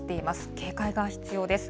警戒が必要です。